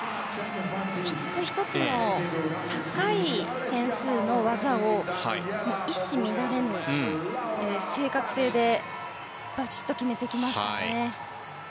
１つ１つの高い点数の技を一糸乱れぬ正確性でバシッと決めてきましたね。